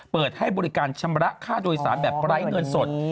เปิดให้บริการชำระค่าโดยสารแบบไร้เงินสด